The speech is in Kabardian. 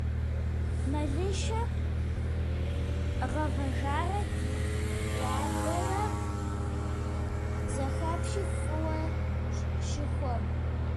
Мэлыщэ гъэвэжарэ дэ убарэ зэхэпщи фӀыуэ щыхуэ.